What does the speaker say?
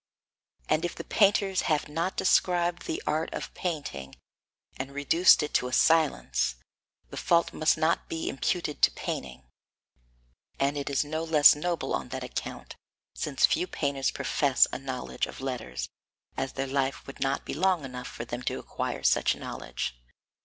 And if the painters have not described the art of painting, and reduced it to a science, the fault must not be imputed to painting and it is no less noble on that account, since few painters profess a knowledge of letters, as their life would not be long enough for them to acquire such knowledge.